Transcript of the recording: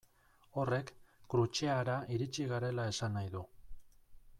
Horrek Krutxeara iritsi garela esan nahi du.